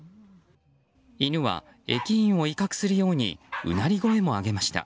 犬は駅員を威嚇するようにうなり声も上げました。